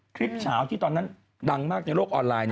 เฉาที่ตอนนั้นดังมากในโลกออนไลน์